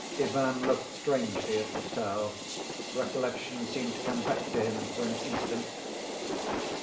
Ivan looked strangely at the towel: recollection seemed to come back to him for an instant.